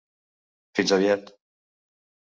-, fins aviat.